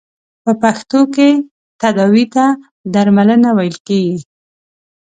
په پښتو کې تداوې ته درملنه ویل کیږی.